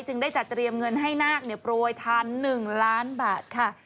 จึงได้จัดเตรียมเงินให้นากเนี่ยโปรยทัน๑ล้านบาทค่ะ